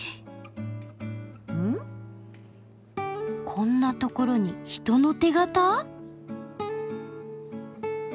こんなところに人の手形？